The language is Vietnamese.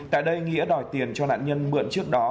tại đây nghĩa đòi tiền cho nạn nhân mượn trước đó